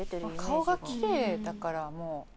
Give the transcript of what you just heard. ［顔がきれいだからもう。］